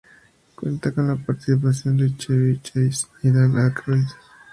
Cuenta con la participación de Chevy Chase y Dan Aykroyd.